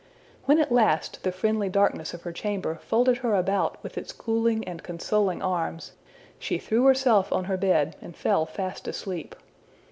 When at last the friendly darkness of her chamber folded her about with its cooling and consoling arms, she threw herself on her bed and fell fast asleep.